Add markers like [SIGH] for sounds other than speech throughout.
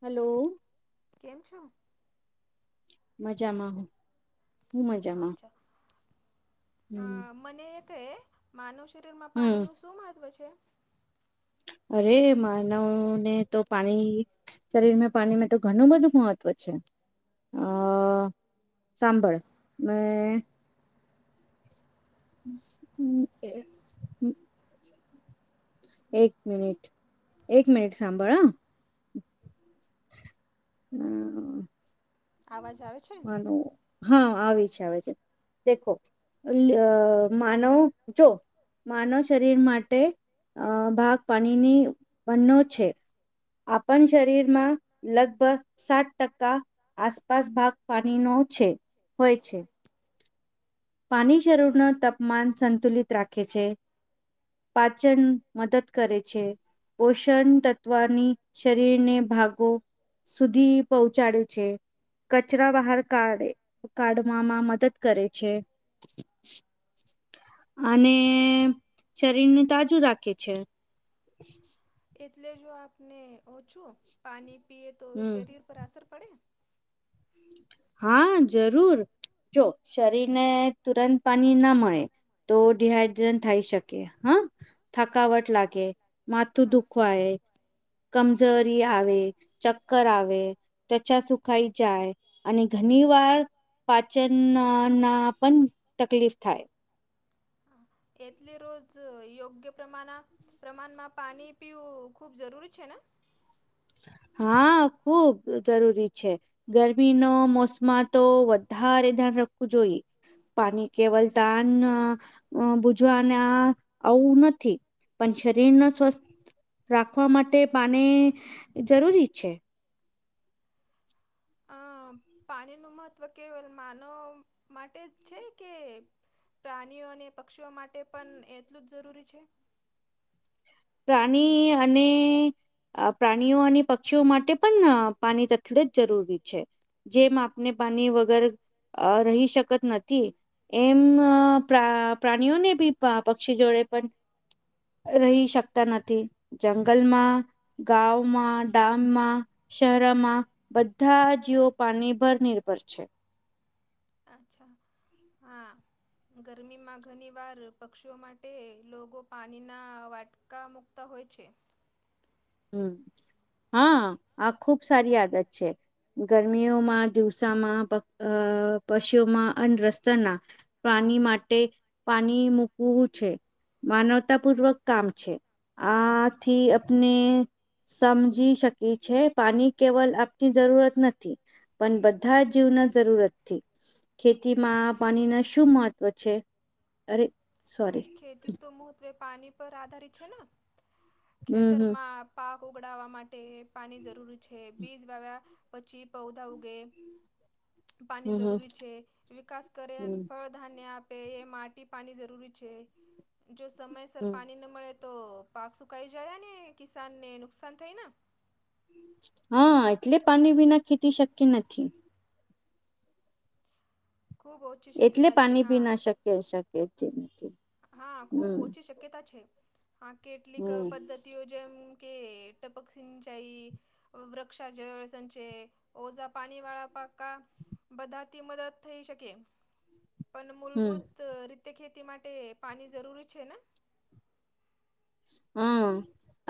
Hello કેમ છો? મજામાં હ હું મજામાં અચ્છા અ હમ મને એ કહે માનવ શરીરમાં પાણી હમ નું શું મહત્વ છે. અરે માનાવ ને તો પાણી શરીર માં પાણીમાં તો ઘણું બધું મહત્વ છે. અ સાંભળ મે હમ [UNINTELLIGIBLE] હમ એક મિનિટ, એક મિનિટ સાંભાળ હ હમ આવાજ આવે છે. હા આવી છે, આવે છે દેખો અલ્ અ માનવ જો માનવ શરીર માટે અ ભાગ પાણીની બનો છે. આપણ શરીરમાં લગભગ સાત ટકા આસપાસ ભાગ પાણી નો છે, હોય છે. પાણી શરૂર નો તાપમાન સંતુલિત રાખે છે. પાચન મદદ કરે છે. પોષણ તત્વની શરીરને ભાગો સુધી પહોંચાડે છે. કચરા બહાર કાઢે કાઢવામાં મદદ કરે છે. અને શરીર ને તાજુ રાખે છે. એટલે જો આપને ઓછું પાણી પીએ તો હમ શરીર પર અસર પડે? હા જરૂર, જો શરીર ને તુરંત પાણી ના મળે તો ડીહાઈડ્રન્ટ થઈ શકે હા થકાવટ હા લાગે માથું હા. દુખ હોય કમજોરી આવે, ચક્કર આવે, ત્વચા સુખાઈ જાય. અને ઘણી વાર પાચન ના નાં પણ તકલીફ થાય. એટલી રોજ યોગ્ય પ્રમાણ પ્રમાણમાં પાણી પીવું ખૂબ જરૂરી છે ને હા ખુબ જરૂરી છે. ગરમી નો મોસમાં તો વધારે ધ્યાન રાખવું જોઈ. પાની કેવલ તાન ભુજવાના આવું નથી. પણ શરીરને સ્વસ્થ રાખવા માટે પાણી જરૂરી છે. અ પાણી નુ મહત્વ કેવલ માનવ માટે જ છે કે પ્રાણીઓ અને પક્ષીઓ માટે પણ એટલું જ જરૂરી છે. પ્રાણી અને પ્રાણીઓ અને પક્ષીઓ માટે પણ પાણી તટલે જ જરૂરી છે. જે માપને પાની વગર અ રહી શકત નથી. એમ પ્ર પ્રાણીઓને બી પક્ષી જોડે પણ રહી શક તા નથી જંગલમાં, ગામમાં, ડામમાં, શહેરમાં બધા જીવો પાણી ભર નિર્ભર છે. અચ્છા હા ગરમીમાં ઘણીવાર પક્ષીઓ માટે લોગો પાણીના વાટ કા મુક્તા હોય છે. હમ હા આ ખુબ સારી આદત છે. ગરમીઓમાં દિવસામાં પક્ અ પશુઓમાં અન રસ્તના પાણી માટે પાણી મૂકવું છે. માનવતા પૂર્વક કામ છે. આ થી અપને સમજી શકી છે પાણી કેવલ અપની જરૂરત નથી. પણ બધા જીવના જરૂરતથી ખેતીમાં પાણી ના શું મહત્વ છે. અરે સોરી. ખેતી તો મહત્વે પાણી પર આધારિત છે ના. હમ હમ ખેતરમાં પાક ઓગડાવવા માટે પાણી જરૂરી છે બીજ વાવ્યા પછી પૌધા ઉગે પાણી હમ હમ જરૂરી છે, વિકાસ કરે હમ [UNINTELLIGIBLE] ધાન્ય આપે એ માટી પાણી જરૂરી છે. જો સમયસર હમ પાણી ન મળે તો પાક સુકાઈ જાય હે ને કિસાનને નુકસાન થાયના હા. એટલે પાની વિના ખેતી શક્ય નથી. ખૂબ ઓછી એટલે શક્યતા છે પાણી હા પિના શક્ય-શક્ય હા, ખૂબ ઓછી શક્યતા છે. હા કેટલીક હમ પદ્ધતિઓ જેમ કે ટપક સિંચાઈ વૃક્ષા જએ સંચે, ઓજા પાણી વાળા પાકકા બધાથી મદદ થઈ શકે એમ. પન હમ મૂલભૂત રીતે ખેતી માટે પાણી જરૂરી છે ના. હા.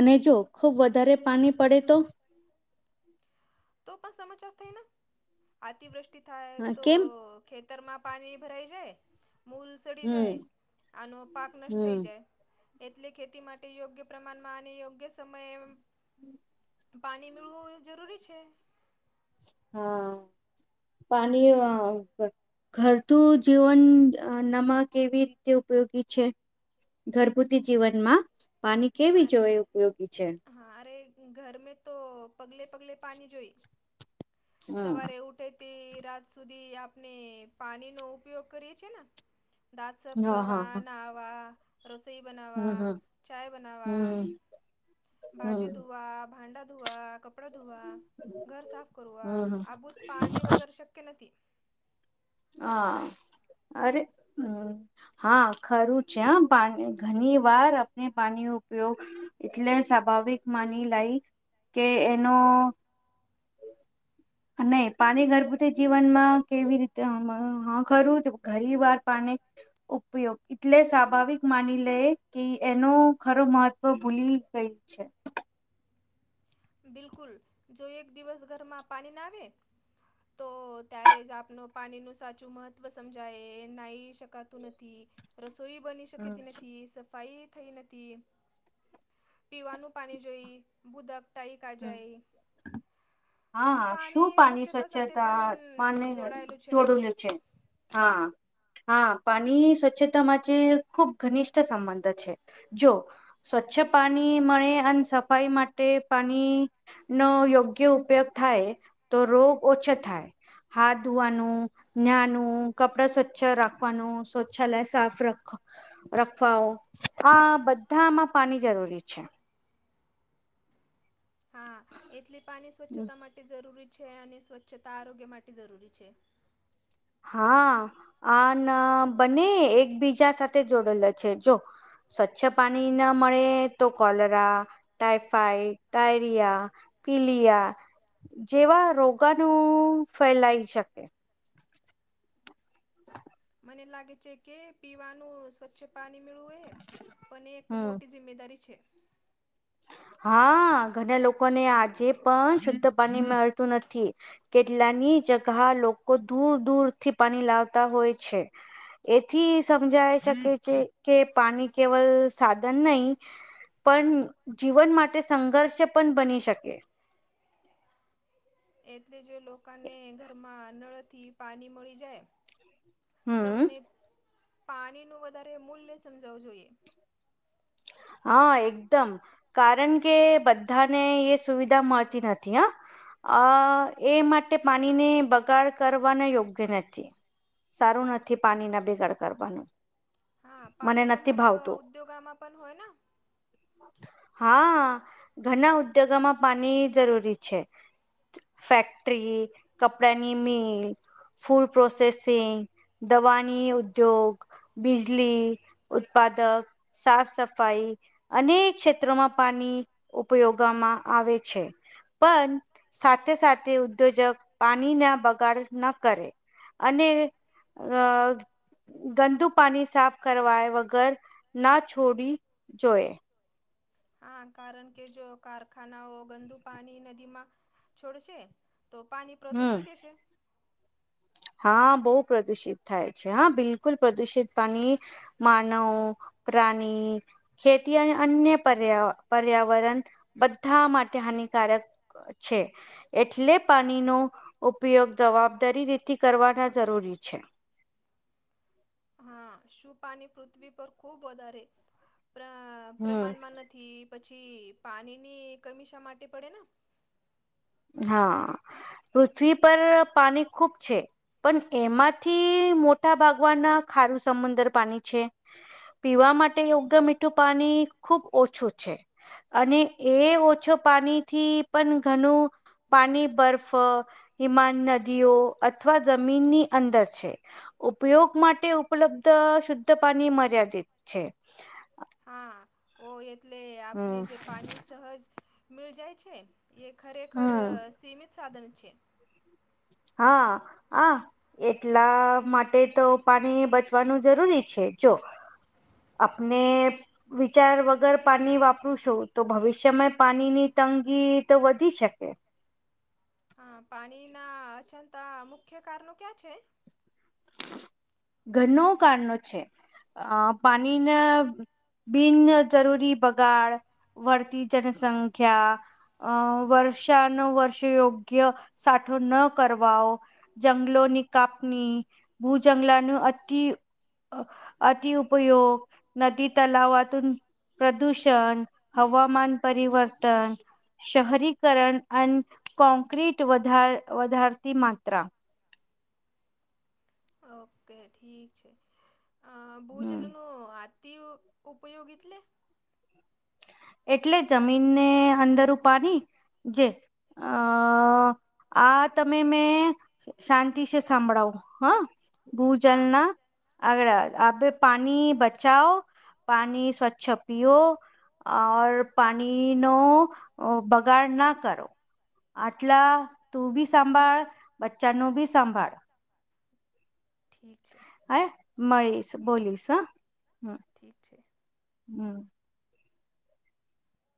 અને જો ખુબ વધારે પાણી પડે તો તો પણ [UNINTELLIGIBLE] થાય ના, અતિવૃષ્ટિ થાય હા તો કેમ ખેતરમાં પાણી ભરાઈ જાય. મૂલ્સ ચડી હમ જાય, આનો પાક નષ્ટ હમ થઈ જાય. એટલે ખેતી માટે યોગ્ય પ્રમાણમાં અને યોગ્ય સમયે એમ પાણી [UNINTELLIGIBLE] જરૂરી છે. હા. પાણી અહ [UNINTELLIGIBLE] ઘરતું જીવન નમાં કેવી રીતે ઉપયોગી છે? ઘરભૂતી જીવનમાં પાણી કેવી અરે જોઈ ઉપયોગી છે? હા. અરે ઘર મે તો પગલે-પગલે પાણી જોઈ. હમ સવારે ઉઠે તે રાત સુધી આપને પાણીનો ઉપયોગ કરીએ છીએ ના. દાંત સાફ હા હા કરવા, હા નહાવા, રસોઈ બનાવવા, ચાય બનાવવા હમ્મ. ભાજી ધોવા, ભાંડા ધોવા, કપડા ધોવા, ઘર સાફ કરવા હમ હમ આ [UNINTELLIGIBLE] પાની વગર શક્ય નથી. હા. અરે હમ્મ. હા ખરું છે હા. પાણી ઘણી વાર આપણે પાણીનો ઉપયોગ એટલે સ્વાભાવિક માની લાય કે એનો અને પાણી [UNINTELLIGIBLE] જીવન માં કેવી રીત તે [UNINTELLIGIBLE] હા ખરું ઘણી વાર પાની ઉપયોગ એટલે સ્વાભાવિક માની લે કે એનો ખરો મહત્વ ભૂલી ગઈ. છે. બિલકુલ. જો એક દિવસ ઘરમાં પાની ના આવે તો ત્યારે જ આપનું પાણીનું સાચું મહત્વ સમજાય નહીં શકત તું નથી, રસોઈ બની હમ શકેતે નથી, સફાઈ થઈ નથી. પીવાનું પાણી જોઈ, ભૂદક ટાઈકા હમ જાય. [INAUDIBLE] હા. શું પાણી સાથે સ્વચ્છતા પાને પણ જોડાયેલું છે ને જોડુંલું છે? હા. હા. પાણી સ્વચ્છતા માટે ખુબ ઘનિષ્ઠ સંબંધ છે. જો સ્વચ્છ પાણી મળે અને સફાઈ માટે પાણી નો યોગ્ય ઉ પયોગ થાય તો રોગ ઓછો થાય. હાથ ધોવાનું નાનું, કપડા સ્વચ્છ રાખવાનું, શૌછાલય સાફ રખ રખવાઓ આ બધામાં પાની જરૂરી છે. હા એટલે પાની સ્વચ્છતા માટે જરૂરી છે અને સ્વચ્છતા આરોગ્ય માટે જરૂરી છે. હા આન બને એકબીજા સાથે જોડેલા છે જો સ્વચ્છ પાની ન મળે તો કોલરા, ટાઈફાઈડ, ટાયરિયા પીલીયા જેવા રોગાનું ફેલાઈ શકે. મને લાગે છે કે પીવાનું સ્વચ્છ પાની મેળવું એ પન એક હમ મોટી જી મેદારી છે. હા ઘણા લોકોને આજે પણ શુદ્ધ પાણી મળતું નથી. કેટલાની જગહ લોકો દૂર દૂરથી પાની લાવતા હોય છે. એથી સમજાય શકે છે કે પાની કેવલ સાધન નહી પન જીવન માટે સંઘર્ષ પણ બની શકે. એટલે જે લોકાને ઘરમાં નળથી પાની મળી જાય હમ તમને પાનીનું વધારે મૂલ્ય સમજાવવું જોઈએ. હહ એકદમ કારન કે બધાને એ સુવિધા મળતી નથી હ અ એ માટે પાનીને બગાડ કરવાના યોગ્ય નથી. સારું નથી પાણીના બીગાડ કરવાનું. હા મને પાનીનું નથી મહત્ત્વ ભાવતું ઉદ્યોગામાં પન હોય ન હા ઘના ઉદ્યોગોમાં પાની જરૂરી છે. ફેક્ટરી, કપડાંની મિલ ફૂડ પ્રોસેસિંગ, દવાની ઉદ્યોગ બિજલી, ઉત્પાદક, સાફસફ ફાઈ અનેક ક્ષેત્રોમાં પાની ઉપયોગામાં આવે છે. પન સાથે સાથે ઉદ્યોજક પાણીના બગાડ ન કરે. અને અ ગંદુ પાની સાફ કરવા વગર ના છોડી જોએ. હા કારણ કે જો કારખાનાઓ ગંદુ પાની નદીમાં છોડશે તો પાની હમ પ્રદુષિત થશે. હા બહુ પ્રદુષિત થાય છે હા બિલકુલ પ્રદુષિત પાની માનવ, પ્રાની ખેતી અને અન્ય પર્યા પર્યાવરણ બધા માટે હાનિકારક છે એટલે પાનીનો ઉપયોગ જવાબદારી રીતે કરવાના જરૂરી છે. હા શું પાની પૃથ્વી પર ખૂબ વધારે પ્ર હમ પ્રમાનમાં નથી પછી પાની ની કમી શા માટે પડે ને? હા પૃથ્વી પર પાની ખૂબ છે. પન એમાંથી મોટા ભાગવાના ખારું સમંદર પાની છે. પીવા માટે યોગ્ય મીઠું પાની ખૂબ ઓછું છે. અને એ ઓછો પાની થી પન ઘનું પાની બર્ફ, હિમાન નદીઓ અથવા જમીનની અંદર છે. ઉપયોગ માટે ઉપલબ્ધ શુદ્ધ પાની મર્યાદિત છે. હા ઓ એટલે આપને હમ જે પાની સહજ મિલ જાય છે. એ ખરેખર હમ સીમિત સાધન છે. હા આ એટલા માટે તો પાની બચવાનું જરૂરી છે જો. આપને વિચાર વગર પાની વાપરું સુ તો ભવિષ્યમાં પાનીની તંગી તો વધી શકે. હા પાની ના અચલતા મુખ્ય કારણો ક્યાં છે? ઘનો કારણો છે અ પાનીને. બિન જરૂરી બગાડ, વળતી જનસંખ્યા, અ વર્ષાનુ વર્ષ યોગ્ય સાઠો ન કરવાવો. જંગલોની કાપણી ભૂ જંગલાનું અતિ અતિઉપયોગ, નદી તલાવતુ પ્રદૂષણ, હવામાન પરિવર્તન શહરીકરણ અન કોન્ક્રિટ વધાર વધારતી માત્રા. ઓકે ઠીક છે અ હમ બહજલેનું આતીયુ ઉપયોગ એટલે એટલે જમીન ને અંદર પાની જે અ આ તમે મેં શાંતિ છે સાંભળાવો હા હા ભૂજલના આગળ આપે પાણી બચાવો, પાણી સ્વચ્છ પીઓ ઓર પાણીનો બગાડ ના કરો. આટલા તું બી સંંભાળ બચ્ચા નું બી સંંભાળ. ઠીક છે. હા મળીશ બોલીસ હા, હમ્મ. ઠીક છે. હમ્મ.